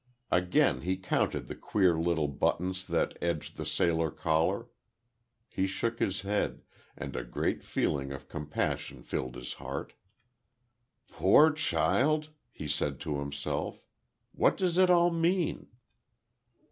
Again he counted the queer little buttons that edged the sailor collar. He shook his head, and a great feeling of compassion filled his heart. "Poor child," he said to himself, "what does it all mean?"